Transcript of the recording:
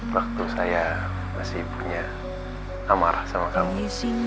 waktu saya masih punya amarah sama kamu